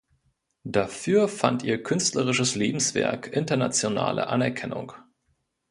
Dafür fand ihr künstlerisches Lebenswerk internationale Anerkennung.